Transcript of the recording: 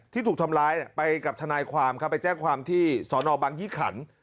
ที่ถูกทำร้ายไปกับทนายความครับไปแจ้งความที่สอนอบังยี่ขัน